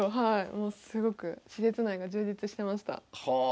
もうすごく施設内が充実してました。